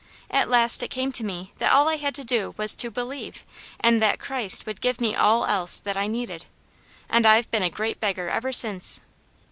At last it came to me that all I had to do was to believe, and that Christ would give me all else that I needed; And IVe been a great beggar ever since."